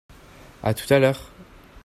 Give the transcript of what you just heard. À tout à l'heure.